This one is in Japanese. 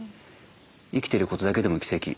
生きてることだけでも奇跡。